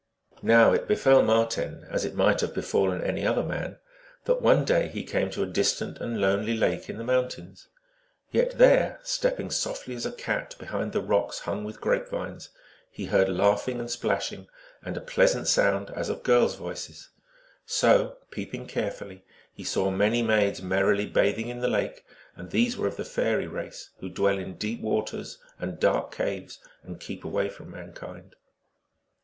Now it befell Marten, as it might have befallen any other man, that one day he came to a distant and lonely lake in the mountains. Yet there, stepping softly as a cat behind the rocks himg with grapevines, 142 THE ALGONQUIN LEGENDS. he heard laughing and splashing, and a pleasant sound as of girls voices. So, peeping carefully, he saw many maids merrily bathing in the lake : and these were of the fairy race, who dwell in deep waters and dark caves, and keep away from mankind.